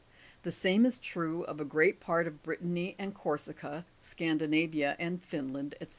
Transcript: The same is true of a great part of Brittany and Corsica, Scandinavia and Finknd, &c.